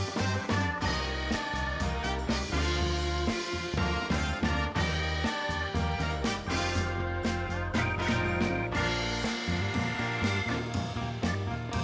อย่าลืมไปดูเวทีจริงนะ